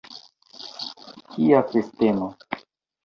Kia festeno!